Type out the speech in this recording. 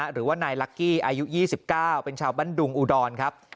หรือว่านายลักกี้อายุ๒๙เป็นชาวบ้านดุงอุดรครับ